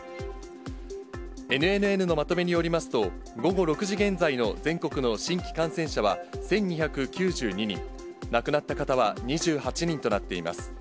ＮＮＮのまとめによりますと、午後６時現在の全国の新規感染者は１２９２人、亡くなった方は２８人となっています。